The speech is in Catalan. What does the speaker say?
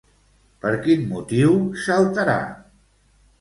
Per quin motiu s'alterà?